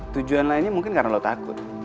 tujuan lainnya mungkin karena lo takut